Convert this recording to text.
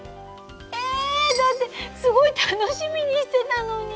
えだってすごい楽しみにしてたのに！